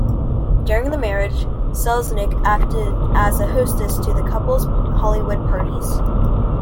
During the marriage, Selznick acted as a hostess to the couple's Hollywood parties.